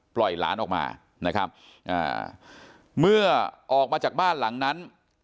หลานออกมานะครับอ่าเมื่อออกมาจากบ้านหลังนั้น